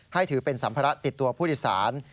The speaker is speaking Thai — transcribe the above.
ถือเป็นสัมภาระติดตัวผู้โดยสาร